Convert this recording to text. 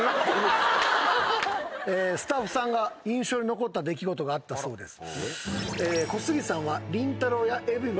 スタッフさんが印象に残った出来事があったそうです。